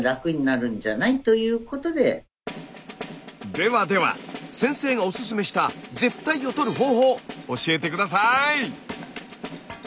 ではでは先生がおすすめした舌苔を取る方法教えて下さい！